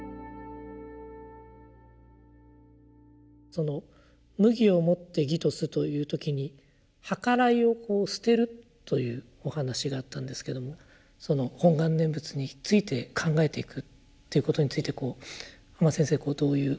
その「無義をもて義とす」という時に「はからいを捨てる」というお話があったんですけどもその「本願念仏」について考えていくということについて阿満先生どういう。